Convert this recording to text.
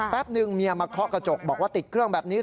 แป๊บนึงเมียมาเคาะกระจกบอกว่าติดเครื่องแบบนี้